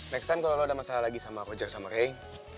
next time kalau lo ada masalah lagi sama roger sama ray